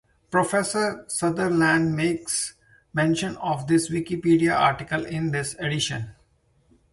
Professor Sutherland makes mention of this Wikipedia article in this edition.